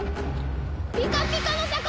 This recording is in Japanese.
ピカピカの魚！